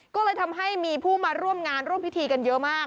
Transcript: ก็เลยทำให้มีผู้มาร่วมงานร่วมพิธีกันเยอะมาก